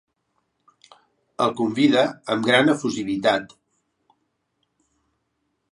El convida amb gran efusivitat.